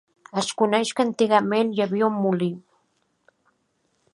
Es coneix que antigament hi havia un molí.